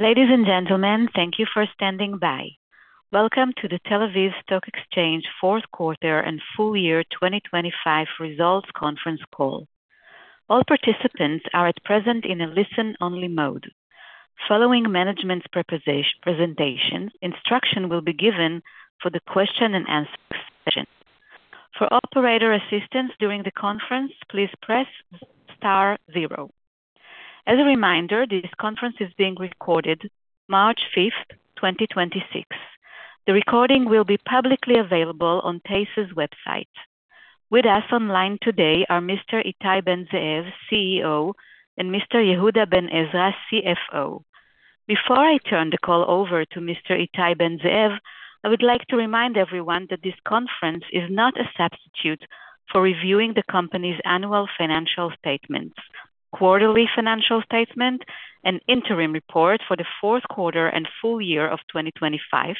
Ladies and gentlemen, thank you for standing by. Welcome to the Tel Aviv Stock Exchange Q4 and Full Year 2025 Results Conference Call. All participants are at present in a listen-only mode. Following management's presentation, instruction will be given for the question-and-answer session. For operator assistance during the conference, please press star zero. As a reminder, this conference is being recorded 5 March 2026. The recording will be publicly available on TASE's website. With us online today are Mr. Ittai Ben-Zeev, CEO, and Mr. Yehuda Ben-Ezra, CFO. Before I turn the call over to Mr. Ittai Ben-Zeev, I would like to remind everyone that this conference is not a substitute for reviewing the company's annual financial statements, quarterly financial statement, and interim report for the Q4 and full year of 2025,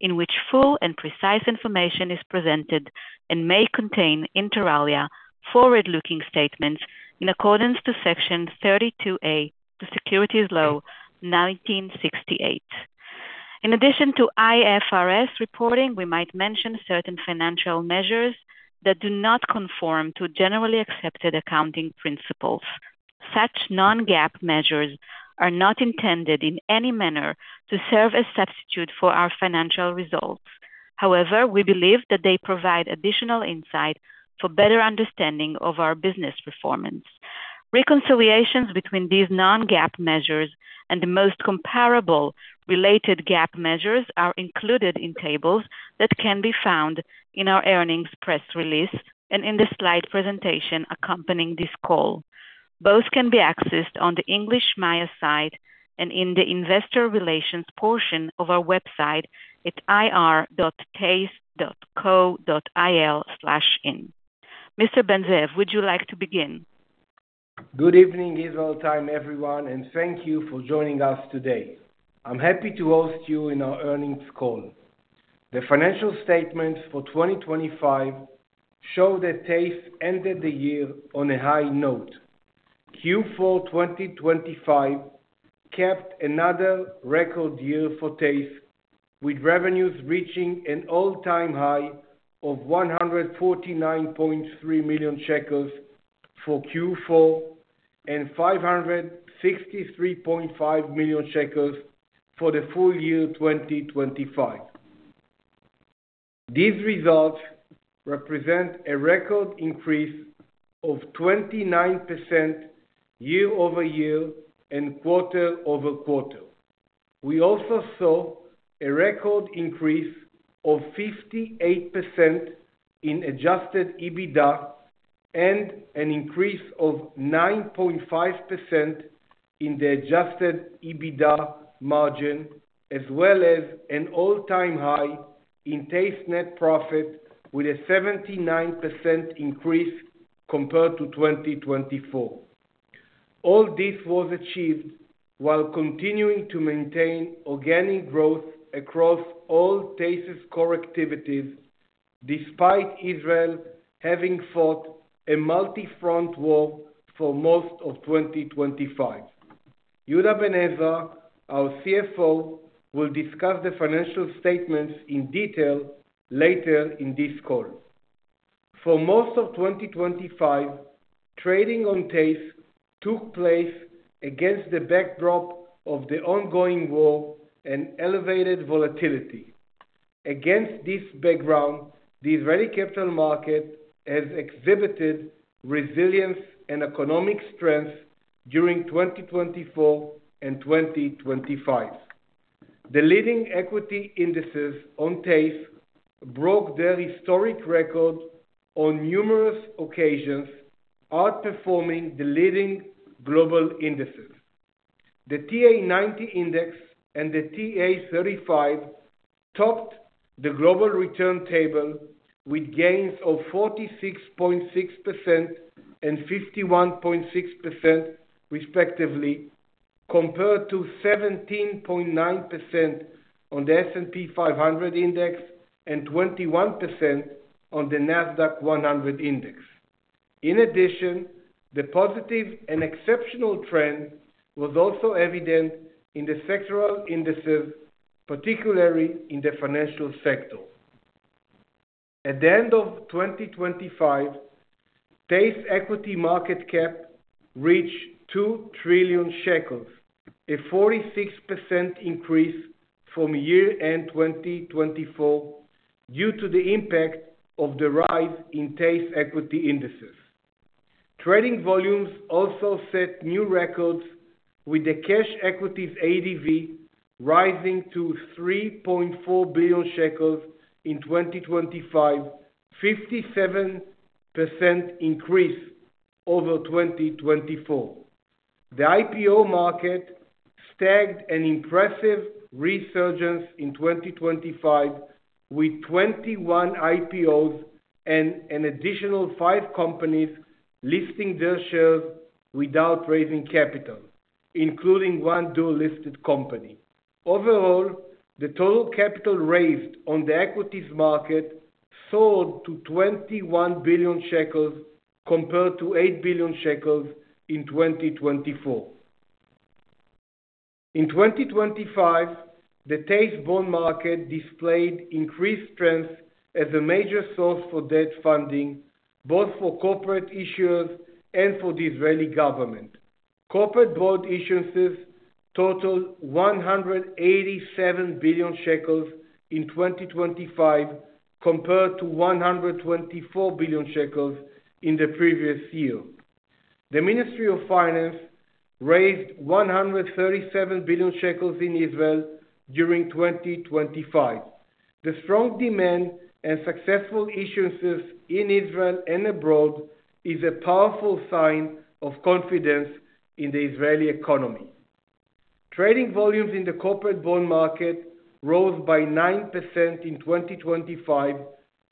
in which full and precise information is presented and may contain, inter alia, forward-looking statements in accordance to Section 32A, the Securities Law 1968. In addition to IFRS reporting, we might mention certain financial measures that do not conform to generally accepted accounting principles. Such non-GAAP measures are not intended in any manner to serve as substitute for our financial results. We believe that they provide additional insight for better understanding of our business performance. Reconciliations between these non-GAAP measures and the most comparable related GAAP measures are included in tables that can be found in our earnings press release and in the slide presentation accompanying this call. Both can be accessed on the English MAYA site and in the investor relations portion of our website at ir.tase.co.il/en. Mr. Ben-Zeev, would you like to begin? Good evening, Israel time, everyone. Thank you for joining us today. I'm happy to host you in our earnings call. The financial statements for 2025 show that TASE ended the year on a high note. Q4 2025 kept another record year for TASE, with revenues reaching an all-time high of 149.3 million shekels for Q4 and 563.5 million shekels for the full year 2025. These results represent a record increase of 29% year-over-year and quarter-over-quarter. We also saw a record increase of 58% in Adjusted EBITDA and an increase of 9.5% in the Adjusted EBITDA margin, as well as an all-time high in TASE net profit with a 79% increase compared to 2024. All this was achieved while continuing to maintain organic growth across all TASE's core activities, despite Israel having fought a multi-front war for most of 2025. Yehuda Ben-Ezra, our CFO, will discuss the financial statements in detail later in this call. For most of 2025, trading on TASE took place against the backdrop of the ongoing war and elevated volatility. Against this background, the Israeli capital market has exhibited resilience and economic strength during 2024 and 2025. The leading equity indices on TASE broke their historic record on numerous occasions, outperforming the leading global indices. The TA-90 index and the TA-35 topped the global return table with gains of 46.6% and 51.6% respectively, compared to 17.9% on the S&P 500 index and 21% on the Nasdaq-100 index. In addition, the positive and exceptional trend was also evident in the sectoral indices, particularly in the financial sector. At the end of 2025, TASE equity market cap reached 2 trillion shekels, a 46% increase from year-end 2024 due to the impact of the rise in TASE equity indices. Trading volumes also set new records with the cash equities ADV rising to 3.4 billion shekels in 2025, 57% increase over 2024. The IPO market staged an impressive resurgence in 2025 with 21 IPOs and an additional five companies listing their shares without raising capital, including one dual-listed company. Overall, the total capital raised on the equities market soared to 21 billion shekels compared to 8 billion shekels in 2024. In 2025, the TASE bond market displayed increased strength as a major source for debt funding, both for corporate issuers and for the Israeli government. Corporate bond issuances totaled 187 billion shekels in 2025 compared to 124 billion shekels in the previous year. The Ministry of Finance raised 137 billion shekels in Israel during 2025. The strong demand and successful issuances in Israel and abroad is a powerful sign of confidence in the Israeli economy. Trading volumes in the corporate bond market rose by 9% in 2025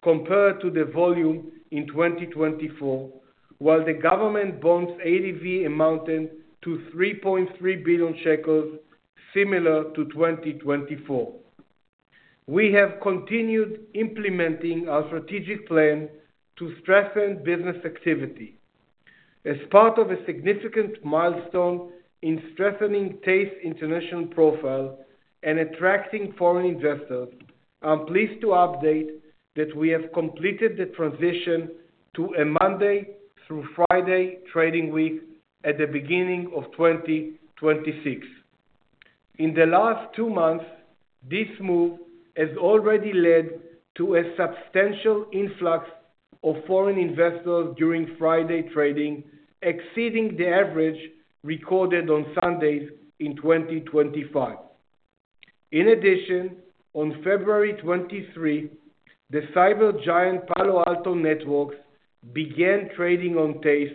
compared to the volume in 2024, while the government bonds ADV amounted to 3.3 billion shekels, similar to 2024. We have continued implementing our strategic plan to strengthen business activity. As part of a significant milestone in strengthening TASE international profile and attracting foreign investors, I'm pleased to update that we have completed the transition to a Monday through Friday trading week at the beginning of 2026. In the last two months, this move has already led to a substantial influx of foreign investors during Friday trading, exceeding the average recorded on Sundays in 2025. In addition, on February 23, the cyber giant Palo Alto Networks began trading on TASE,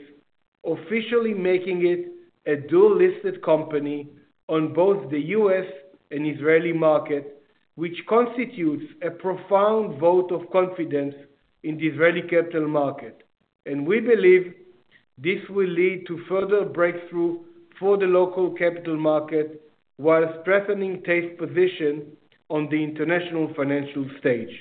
officially making it a dual-listed company on both the US and Israeli market, which constitutes a profound vote of confidence in the Israeli capital market. We believe this will lead to further breakthrough for the local capital market, while strengthening TASE position on the international financial stage.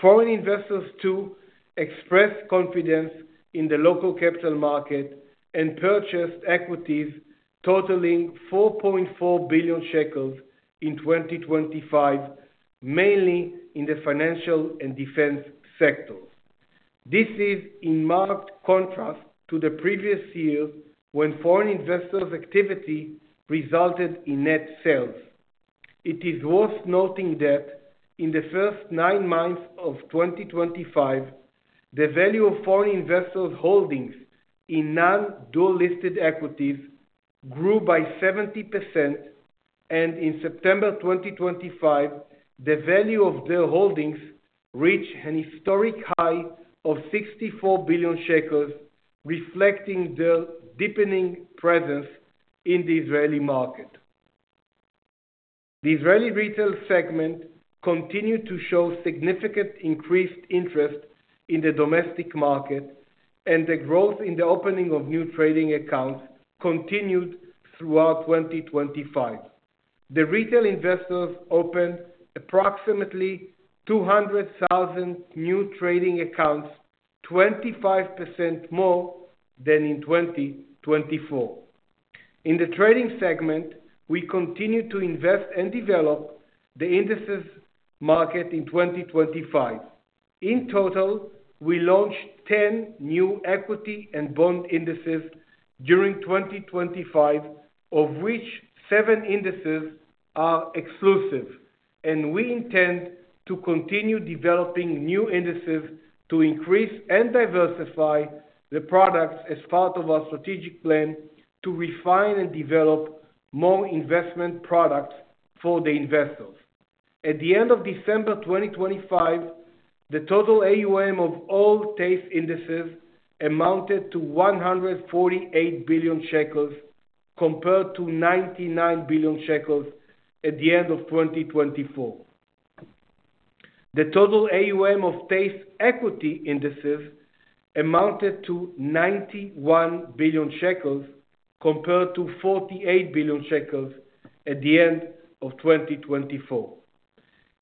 Foreign investors too expressed confidence in the local capital market and purchased equities totaling 4.4 billion shekels in 2025, mainly in the financial and defense sectors. This is in marked contrast to the previous year, when foreign investors activity resulted in net sales. It is worth noting that in the first nine months of 2025, the value of foreign investors holdings in non-dual-listed equities grew by 70%, and in September 2025, the value of their holdings reached an historic high of 64 billion shekels, reflecting their deepening presence in the Israeli market. The Israeli retail segment continued to show significant increased interest in the domestic market, and the growth in the opening of new trading accounts continued throughout 2025. The retail investors opened approximately 200,000 new trading accounts, 25% more than in 2024. In the trading segment, we continued to invest and develop the indices market in 2025. In total, we launched 10 new equity and bond indices during 2025, of which seven indices are exclusive. We intend to continue developing new indices to increase and diversify the products as part of our strategic plan to refine and develop more investment products for the investors. At the end of December 2025, the total AUM of all TASE indices amounted to 148 billion shekels compared to 99 billion shekels at the end of 2024. The total AUM of TASE equity indices amounted to 91 billion shekels compared to 48 billion shekels at the end of 2024.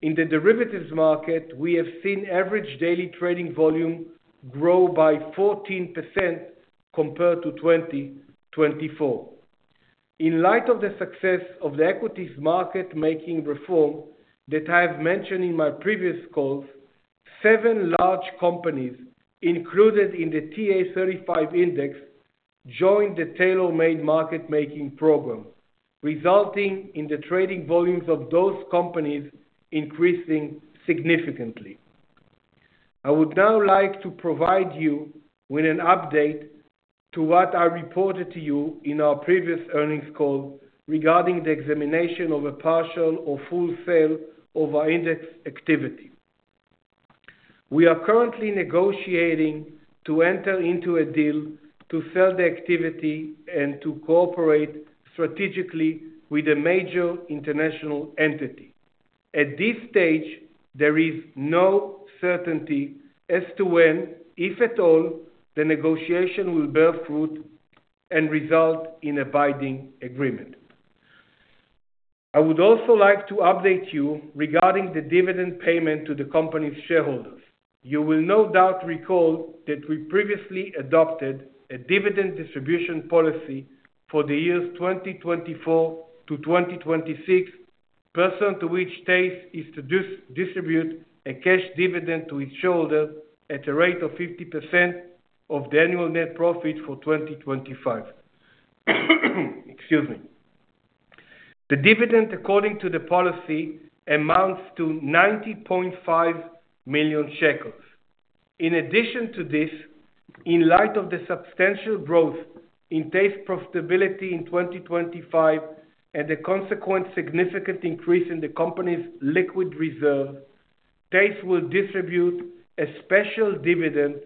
In the derivatives market, we have seen average daily trading volume grow by 14% compared to 2024. In light of the success of the equities market-making reform that I have mentioned in my previous calls, seven large companies included in the TA-35 Index joined the tailormade market making program, resulting in the trading volumes of those companies increasing significantly. I would now like to provide you with an update to what I reported to you in our previous earnings call regarding the examination of a partial or full sale of our index activity. We are currently negotiating to enter into a deal to sell the activity and to cooperate strategically with a major international entity. At this stage, there is no certainty as to when, if at all, the negotiation will bear fruit and result in a binding agreement. I would also like to update you regarding the dividend payment to the company's shareholders. You will no doubt recall that we previously adopted a dividend distribution policy for the years 2024 to 2026, pursuant to which TASE is to distribute a cash dividend to its shareholders at a rate of 50% of the annual net profit for 2025. The dividend according to the policy amounts to 90.5 million shekels. In addition to this, in light of the substantial growth in TASE profitability in 2025 and the consequent significant increase in the company's liquid reserve, TASE will distribute a special dividend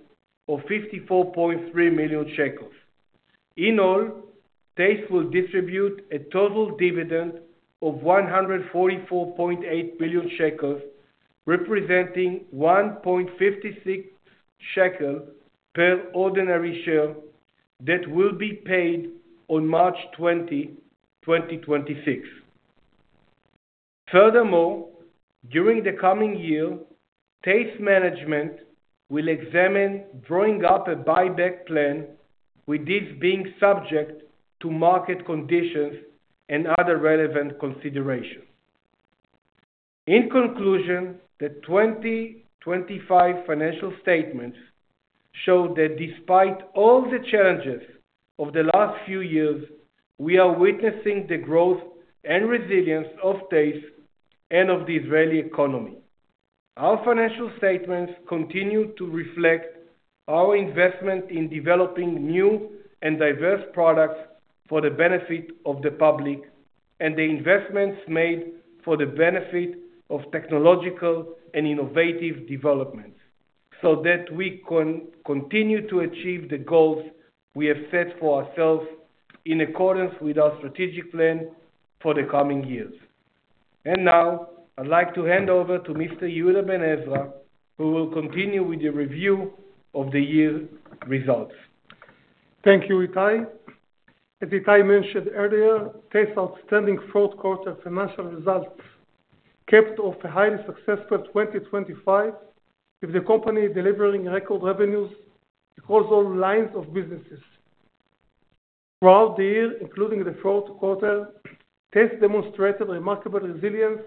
of 54.3 million shekels. In all, TASE will distribute a total dividend of 144.8 million shekels, representing 1.56 shekel per ordinary share that will be paid on 20 March 2026. Furthermore, during the coming year, TASE management will examine drawing up a buyback plan, with this being subject to market conditions and other relevant considerations. In conclusion, the 2025 financial statements show that despite all the challenges of the last few years, we are witnessing the growth and resilience of TASE and of the Israeli economy. Our financial statements continue to reflect our investment in developing new and diverse products for the benefit of the public, and the investments made for the benefit of technological and innovative developments, so that we continue to achieve the goals we have set for ourselves in accordance with our strategic plan for the coming years. Now, I'd like to hand over to Mr. Yehuda Ben-Ezra, who will continue with the review of the year results. Thank you, Itai. As Itai mentioned earlier, TASE outstanding Q4 financial results capped off a highly successful 2025, with the company delivering record revenues across all lines of businesses. Throughout the year, including the Q4, TASE demonstrated remarkable resilience,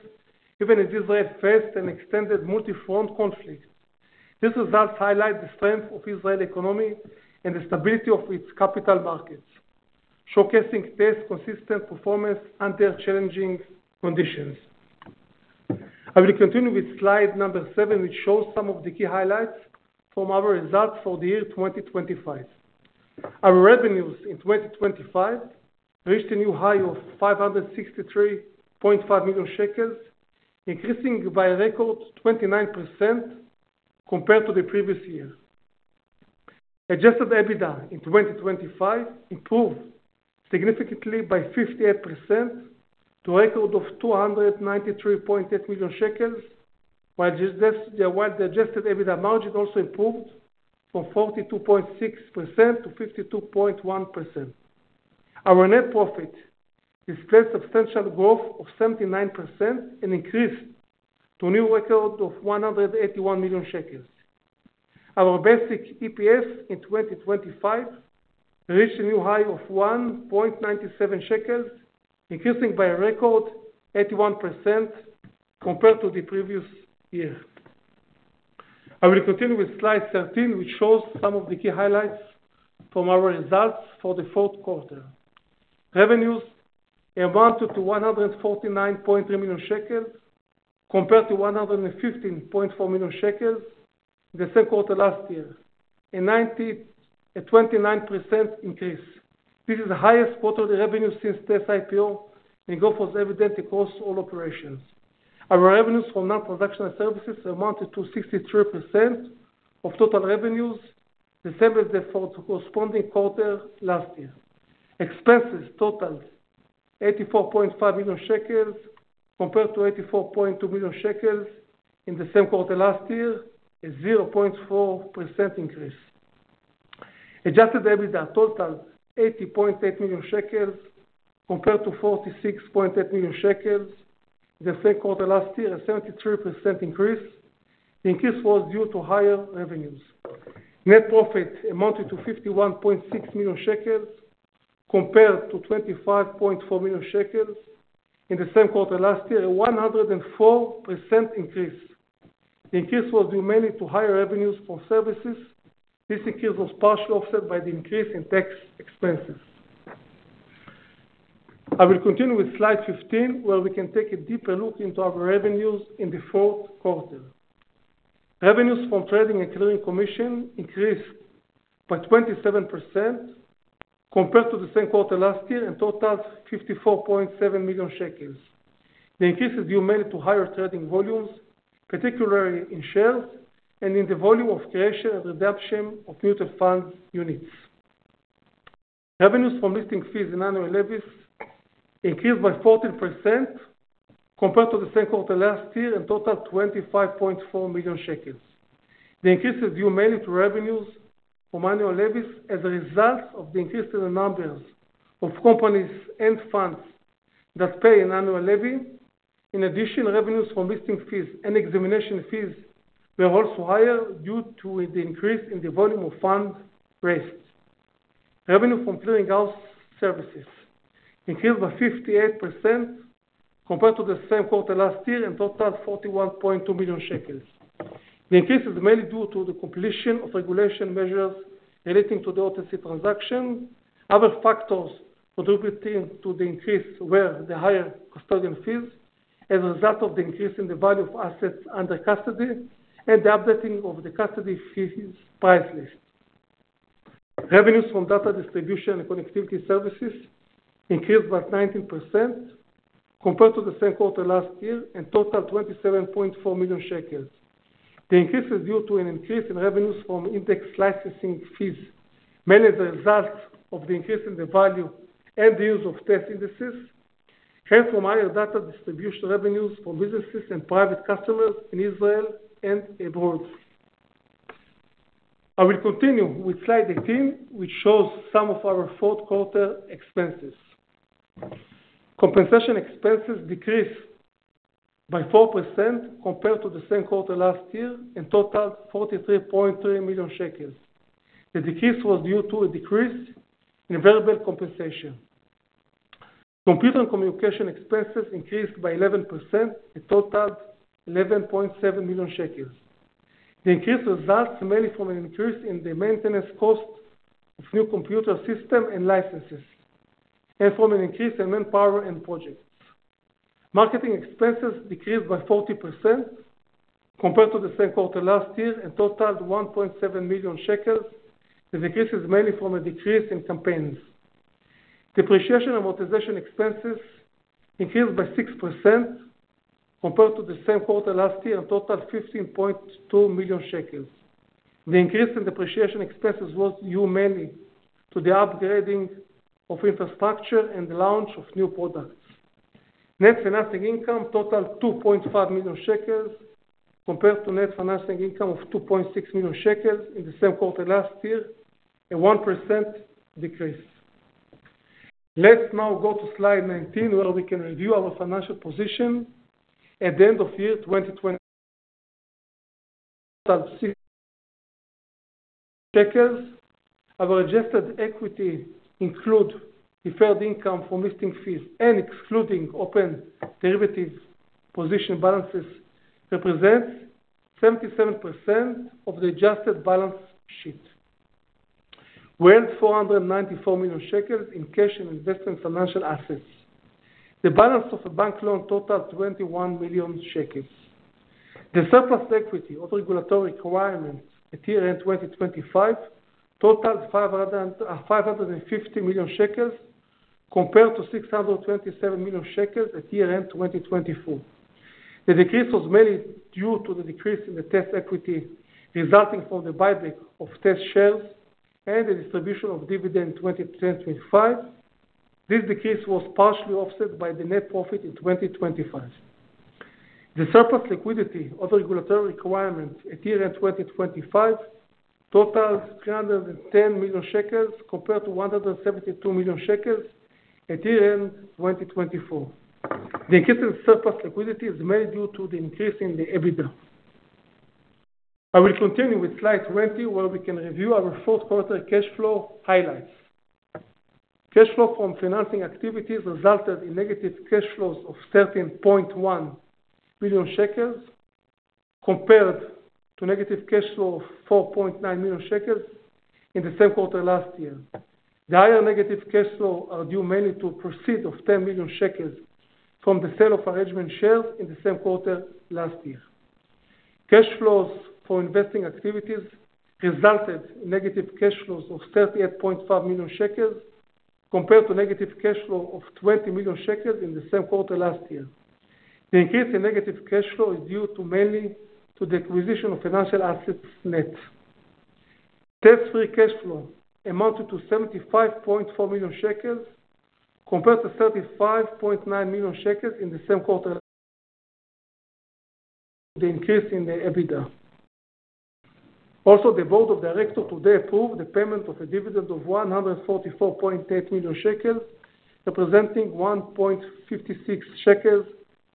even as Israel faced an extended multi-front conflict. These results highlight the strength of Israeli economy and the stability of its capital markets, showcasing TASE consistent performance under challenging conditions. I will continue with slide number seven, which shows some of the key highlights from our results for the year 2025. Our revenues in 2025 reached a new high of 563.5 million shekels, increasing by a record 29% compared to the previous year. Adjusted EBITDA in 2025 improved significantly by 58% to a record of 293.8 million shekels, while the adjusted EBITDA margin also improved from 42.6% to 52.1%. Our net profit displayed substantial growth of 79%, an increase to a new record of 181 million shekels. Our basic EPS in 2025 reached a new high of 1.97 shekels, increasing by a record 81% compared to the previous year. I will continue with slide 13, which shows some of the key highlights from our results for the Q4. Revenues amounted to 149.3 million shekels compared to 115.4 million shekels the same quarter last year, a 29% increase. This is the highest quarter revenue since TASE IPO and growth was evident across all operations. Our revenues from non-production and services amounted to 63% of total revenues, the same as the fourth corresponding quarter last year. Expenses totaled 84.5 million shekels compared to 84.2 million shekels in the same quarter last year, a 0.4% increase. Adjusted EBITDA totaled 80.8 million shekels compared to 46.8 million shekels the same quarter last year, a 73% increase. The increase was due to higher revenues. Net profit amounted to 51.6 million shekels compared to 25.4 million shekels in the same quarter last year, a 104% increase. The increase was due mainly to higher revenues from services. This increase was partially offset by the increase in tax expenses. I will continue with slide 15, where we can take a deeper look into our revenues in the Q4. Revenues from trading and clearing commission increased by 27% compared to the same quarter last year and totaled 54.7 million shekels. The increase is due mainly to higher trading volumes, particularly in shares and in the volume of creation and redemption of mutual fund units. Revenues from listing fees and annual levies increased by 14% compared to the same quarter last year and totaled 25.4 million shekels. The increase is due mainly to revenues from annual levies as a result of the increase in the numbers of companies and funds that pay an annual levy. In addition, revenues from listing fees and examination fees were also higher due to the increase in the volume of funds raised. Revenue from clearinghouse services increased by 58% compared to the same quarter last year and totaled 41.2 million shekels. The increase is mainly due to the completion of regulation measures relating to the OTC transaction. Other factors contributing to the increase were the higher custodian fees as a result of the increase in the value of assets under custody and the updating of the custody fees price list. Revenues from data distribution and connectivity services increased by 19% compared to the same quarter last year and totaled 27.4 million shekels. The increase is due to an increase in revenues from index licensing fees, mainly the result of the increase in the value and the use of test indices, and from higher data distribution revenues from businesses and private customers in Israel and abroad. I will continue with slide 18, which shows some of our Q4 expenses. Compensation expenses decreased by 4% compared to the same quarter last year and totaled 43.3 million shekels. The decrease was due to a decrease in variable compensation. Computer and communication expenses increased by 11% and totaled 11.7 million shekels. The increase results mainly from an increase in the maintenance cost of new computer system and licenses, and from an increase in manpower and projects. Marketing expenses decreased by 40% compared to the same quarter last year and totaled 1.7 million shekels. The decrease is mainly from a decrease in campaigns. Depreciation and amortization expenses increased by 6% compared to the same quarter last year and totaled 15.2 million shekels. The increase in depreciation expenses was due mainly to the upgrading of infrastructure and the launch of new products. Net financing income totaled 2.5 million shekels compared to net financing income of 2.6 million shekels in the same quarter last year, a 1% decrease. Let's now go to slide 19, where we can review our financial position. At the end of year 2025 shekels. Our adjusted equity include deferred income from listing fees and excluding open derivatives position balances represents 77% of the adjusted balance sheet. We earned 494 million shekels in cash and investment financial assets. The balance of the bank loan totaled 21 million shekels. The surplus equity of regulatory requirements at year-end 2025 totaled 550 million shekels compared to 627 million shekels at year-end 2024. The decrease was mainly due to the decrease in the TASE equity resulting from the buyback of TASE shares and the distribution of dividend in 2025. This decrease was partially offset by the net profit in 2025. The surplus liquidity of the regulatory requirements at year-end 2025 totals 310 million shekels compared to 172 million shekels at year-end 2024. The increase in surplus liquidity is mainly due to the increase in the EBITDA. I will continue with slide 20, where we can review our Q4 cash flow highlights. Cash flow from financing activities resulted in negative cash flows of 13.1 million shekels compared to negative cash flow of 4.9 million shekels in the same quarter last year. The higher negative cash flow are due mainly to a proceed of 10 million shekels from the sale of arrangement shares in the same quarter last year. Cash flows for investing activities resulted in negative cash flows of 38.5 million shekels compared to negative cash flow of 20 million shekels in the same quarter last year. The increase in negative cash flow is due mainly to the acquisition of financial assets net. Test free cash flow amounted to 75.4 million shekels compared to 35.9 million shekels in the same quarter, the increase in the EBITDA. The board of directors today approved the payment of a dividend of 144.8 million shekels, representing 1.56 shekels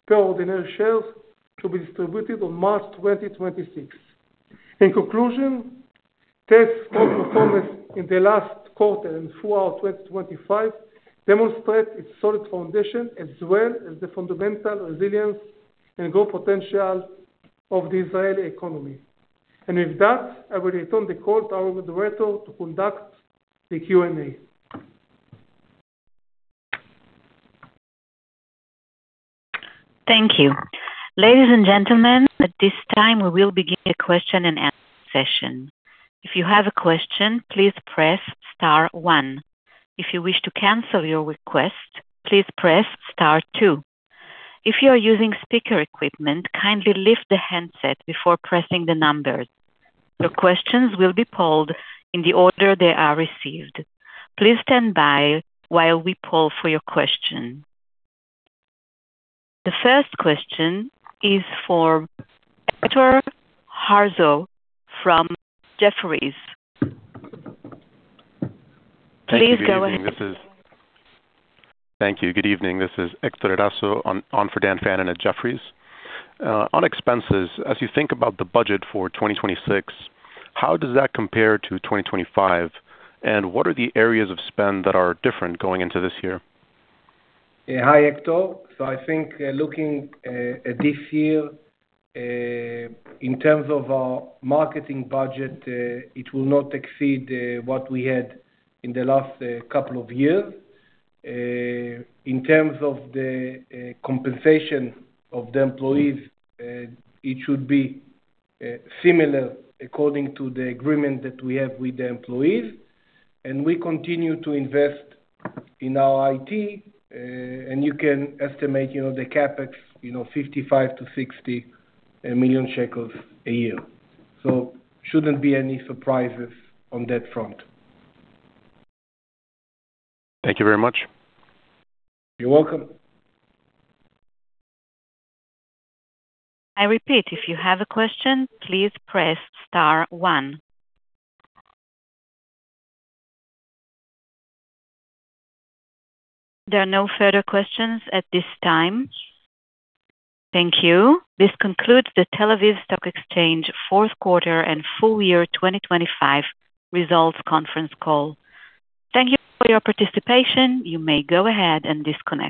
per ordinary shares to be distributed on March 2026. In conclusion, TASE's performance in the last quarter and throughout 2025 demonstrate its solid foundation as well as the fundamental resilience and growth potential of the Israeli economy. With that, I will return the call to our operator to conduct the Q&A. Thank you. Ladies and gentlemen, at this time, we will begin a question and answer session. If you have a question, please press star one. If you wish to cancel your request, please press star two. If you are using speaker equipment, kindly lift the handset before pressing the numbers. Your questions will be polled in the order they are received. Please stand by while we poll for your question. The first question is for Hector Erazo from Jefferies. Please go ahead. Thank you. Good evening. This is Hector Erazo on for Dan Fannon at Jefferies. On expenses, as you think about the budget for 2026, how does that compare to 2025? What are the areas of spend that are different going into this year? Yeah. Hi, Hector. I think, looking at this year, in terms of our marketing budget, it will not exceed what we had in the last couple of years. In terms of the compensation of the employees, it should be similar according to the agreement that we have with the employees. We continue to invest in our IT, and you can estimate, you know, the CapEx, you know, 55 million-60 million shekels a year. Shouldn't be any surprises on that front. Thank you very much. You're welcome. I repeat, if you have a question, please press star one. There are no further questions at this time. Thank you. This concludes the Tel Aviv Stock Exchange Q4 and full year 2025 results conference call. Thank you for your participation. You may go ahead and disconnect.